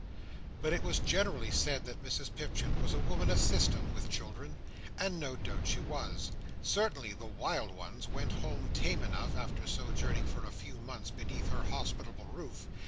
But it was generally said that Mrs Pipchin was a woman of system with children; and no doubt she was. Certainly the wild ones went home tame enough, after sojourning for a few months beneath her hospitable roof.